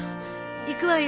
行くわよ。